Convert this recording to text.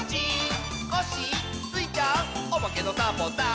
「コッシースイちゃんおまけのサボさん」